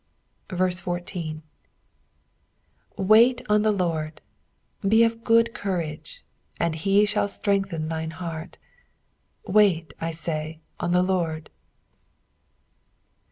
14 Wait on the LORD : be of good courage, and he shall strengthen thine heart : wait, I say, on the Lord.